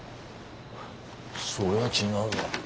そりゃ違うわ。